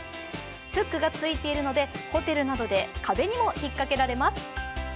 フックがついているのでホテルなどで壁にも引っかけられます。